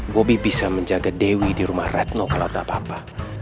bobi bisa menjaga dewi di rumah retno kalau tak apa apa